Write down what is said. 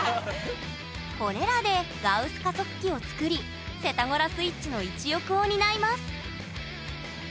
これらでガウス加速機を作りセタゴラスイッチの一翼を担います